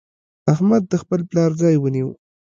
احمد د خپل پلار ځای ونيو.